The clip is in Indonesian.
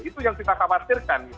itu yang kita khawatirkan